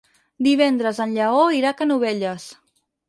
Divendres en Lleó irà a Canovelles.